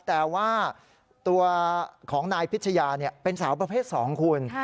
แต่ว่าตัวของนายพิชยาเป็นสาวประเภท๒คุณ